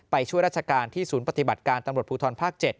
ช่วยราชการที่ศูนย์ปฏิบัติการตำรวจภูทรภาค๗